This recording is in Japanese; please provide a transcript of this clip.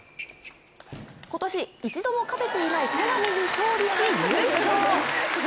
今年一度も勝てていない戸上に勝利し、優勝。